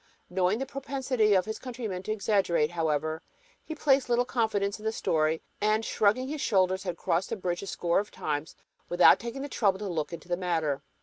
Knowing the propensity of his countrymen to exaggerate, however, he placed little confidence in the story and, shrugging his shoulders, had crossed the bridge a score of times without taking the trouble to look into the matter.